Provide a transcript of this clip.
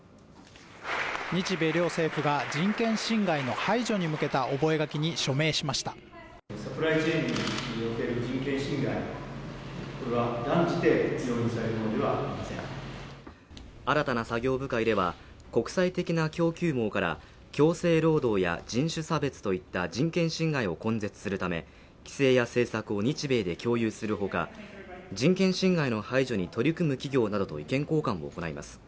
日米両政府が人権侵害の排除に向けた覚書に署名しました新たな作業部会では国際的な供給網から強制労働や人種差別といった人権侵害を根絶するため規制や政策を日米で共有するほか人権侵害の排除に取り組む企業などと意見交換を行います